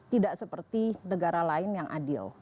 tidak seperti negara lain yang adil